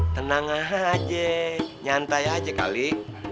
tenang aja nyantai aja kali